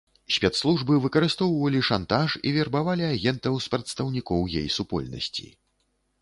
Спецслужбы выкарыстоўвалі шантаж і вербавалі агентаў з прадстаўнікоў гей-супольнасці.